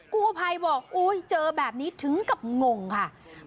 กู้ภัยบอกโอ้ยเจอแบบนี้ถึงกับงงค่ะ